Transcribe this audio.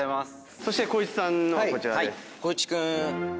そして光一さんのはこちらです。